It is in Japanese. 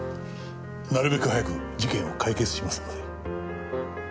なるべく早く事件を解決しますので。